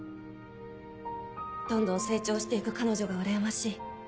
どんどん成長して行く彼女がうらやましい。